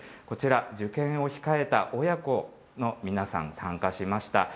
こちら、受験を控えた親子の皆さん、参加しました。